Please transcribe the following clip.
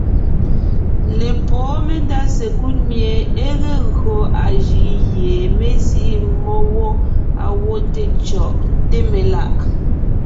Lepwóon mendá sekúd mie é ge gÿo a jʉʼ gie mé zîʼi mmó wó gwɔ té cyɔ̀ʼ, té melà’.